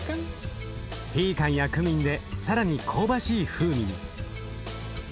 ピーカンやクミンで更に香ばしい風味に。